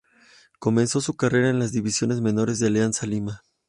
Comenzó su carrera en las divisiones menores de Alianza Lima.